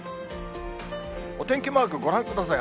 お天気マーク、ご覧ください。